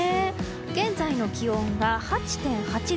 現在の気温が８．８度。